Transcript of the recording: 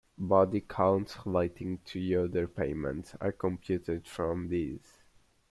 Body counts relating to other payments are computed from this.